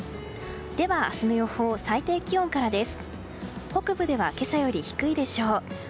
では、明日の予報を最低気温からです。